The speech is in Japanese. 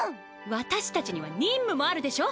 私達には任務もあるでしょう？